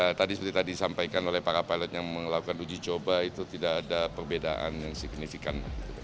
ya tadi seperti tadi disampaikan oleh para pilot yang melakukan uji coba itu tidak ada perbedaan yang signifikan